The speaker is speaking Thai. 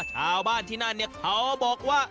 ชาวบ้านที่นั่นเขาบอกว่า